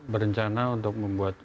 berencana untuk membuat